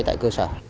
tại cơ sở